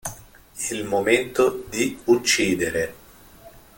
Il momento di uccidere